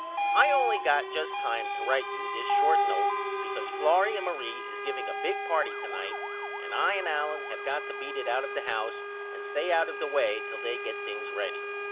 I only got just time to write you this short note because Florrie and Marie is giving a big party to night and I and Allen have got to beat it out of the house and stay out of the way till they get things ready.